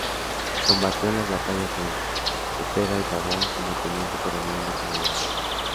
Combatió en las batallas de Cepeda y Pavón como teniente coronel de caballería.